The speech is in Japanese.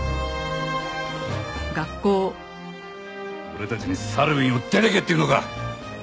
俺たちにサルウィンを出てけっていうのか！？